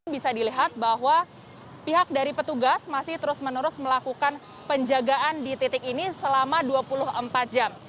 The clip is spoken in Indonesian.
bisa dilihat bahwa pihak dari petugas masih terus menerus melakukan penjagaan di titik ini selama dua puluh empat jam